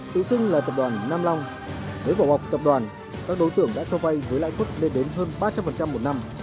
tự sinh là tập đoàn nam long nếu bỏ bọc tập đoàn các đối tượng đã cho bay với lãi thuất lên đến hơn ba trăm linh một năm